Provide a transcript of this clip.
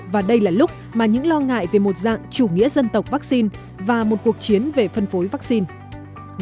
và đây là lúc mà những lo ngại về một dạng chủ nghĩa dân tộc vaccine và một cuộc chiến về phân phối vaccine